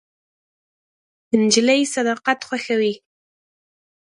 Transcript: نجلۍ صداقت خوښوي.